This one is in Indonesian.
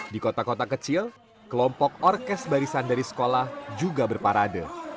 di kota kota kecil kelompok orkes barisan dari sekolah juga berparade